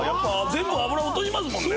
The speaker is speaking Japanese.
全部脂落としますもんね。